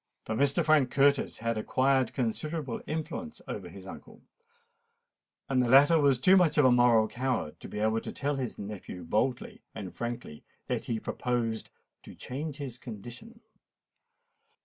For Mr. Frank Curtis had acquired considerable influence over his uncle; and the latter was too much of a moral coward to be able to tell his nephew boldly and frankly that he proposed "to change his condition."